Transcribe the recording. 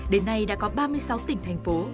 đến nay đã có ba mươi sáu tỉnh thành phố